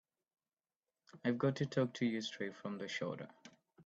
I've got to talk to you straight from the shoulder.